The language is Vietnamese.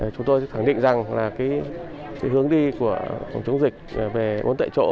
chúng tôi khẳng định rằng là hướng đi của phòng chống dịch về bốn tại chỗ